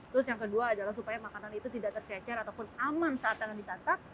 terus yang kedua adalah supaya makanan itu tidak tercecer ataupun aman saat tangan disantap